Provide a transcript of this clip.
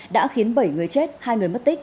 đã khiến bảy người chết hai người mất tích